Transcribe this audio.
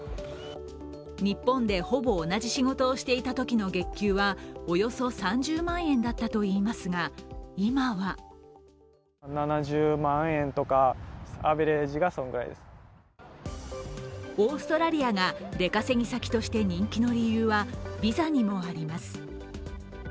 日本でほぼ同じ仕事をしていたときの月給はおよそ３０万円だったといいますが、今はオーストラリアが出稼ぎ先として人気の理由はビザにもあります。